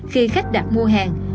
khi khách đặt mua hàng